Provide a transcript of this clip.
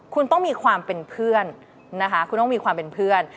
คุณต้องมีความเป็นเพื่อนนะคะคุณต้องมีความเป็นเพื่อน